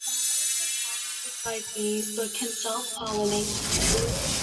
The flowers are pollinated by bees, but can self-pollinate.